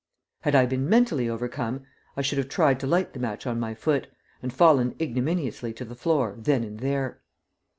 Had I been mentally overcome, I should have tried to light the match on my foot, and fallen ignominiously to the floor then and there.